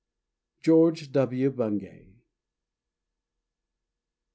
GEORGE W. BUNGAY.